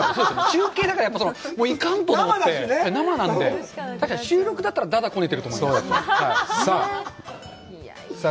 中継だから行かんとと思って生なんでだから収録だったらだだこねてると思いますさぁ